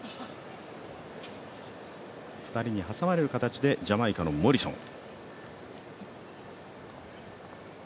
２人に挟まれる形でジャマイカのモリソン。